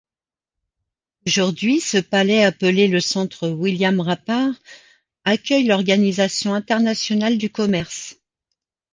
Aujourd'hui, ce palais, appelé le centre William Rappard, accueille l'Organisation internationale du commerce.